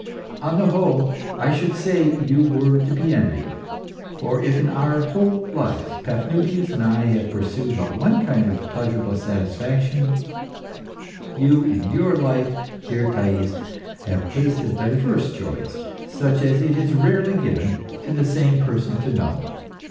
On the whole, I should say you were to be envied. For if in our whole lives, Paphnutius and I have pursued but one kind of pleasurable satisfaction, you in your life, dear Thais, have tasted diverse joys such as it is rarely given to the same person to know.